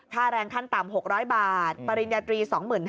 แรงขั้นต่ำ๖๐๐บาทปริญญาตรี๒๕๐๐